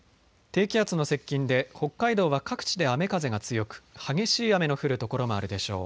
低気圧の接近で北海道は各地で雨風が強く、激しい雨の降る所もあるでしょう。